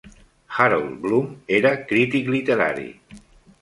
Harold Bloom era crític literari